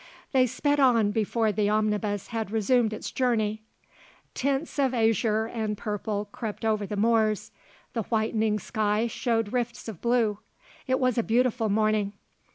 They sped on before the omnibus had resumed its journey. Tints of azure and purple crept over the moors; the whitening sky showed rifts of blue; it was a beautiful morning.